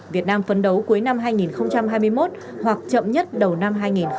việt nam phấn đấu cuối năm hai nghìn hai mươi một hoặc chậm nhất đầu năm hai nghìn hai mươi năm